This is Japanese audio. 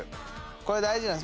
これ大事なんです。